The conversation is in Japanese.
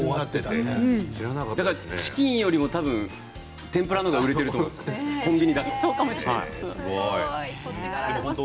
チキンよりも天ぷらの方が売れていると思うコンビニだと。